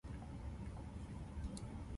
戇猴搬石頭